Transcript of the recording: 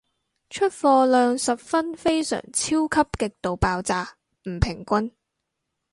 出貨量十分非常超級極度爆炸唔平均